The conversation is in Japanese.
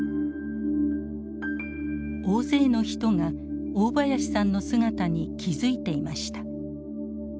大勢の人が大林さんの姿に気付いていました。